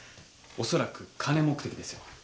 おそらく金目的ですよ。